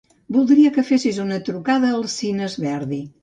Voldria que fessis una trucada als cines Verdi.